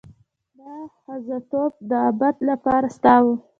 دا ښځتوب د ابد لپاره ستا شو.